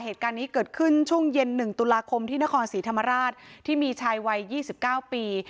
เหตุการณ์นี้เกิดขึ้นช่วงเย็น๑ตุลาคมที่นครศรีธรรมราชที่มีชายวัย๒๙ปี